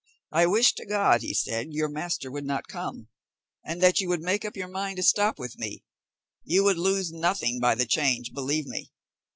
"I wish to God," he said, "your master would not come, and that you would make up your mind to stop with me; you would lose nothing by the change, believe me.